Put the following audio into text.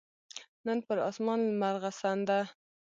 نن پر اسمان لمرغسن ده